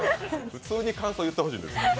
普通に感想を言ってほしいんです。